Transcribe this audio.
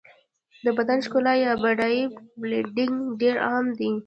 د بدن ښکلا یا باډي بلډینګ ډېر عام دی.